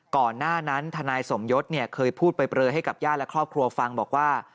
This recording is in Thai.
ก่อนหน้านั้นทนายสมยศเคยพูดเปลยให้กับญาติและครอบครัวฟังบอกว่า